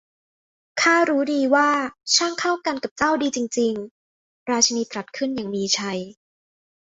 'ข้ารู้ดีว่า ช่างเข้ากันกับเจ้าดีจริง ๆ ! ' ราชินีตรัสขึ้นอย่างมีชัย